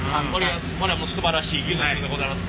これはすばらしい技術でございます。